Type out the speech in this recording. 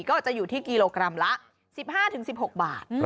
ก็จะอยู่ที่กิโลกรัมละ๑๕๑๖บาท